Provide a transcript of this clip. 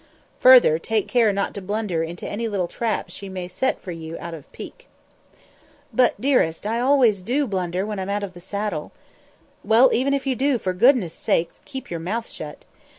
Further, take care not to blunder into any little trap she may set you out of pique." "But, dearest, I always do blunder when I'm out of the saddle." "Well, even if you do, for goodness' sake keep your mouth shut.